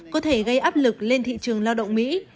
cũng không thể gây áp lực lên thị trường lao động mỹ